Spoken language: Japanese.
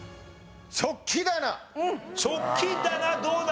食器棚どうだ？